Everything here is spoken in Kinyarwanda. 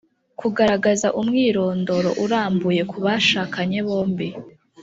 kugaragaza umwirondoro urambuye kubashakanye bombi